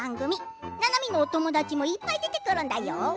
ななみのお友達もいっぱい出てくるんだよ。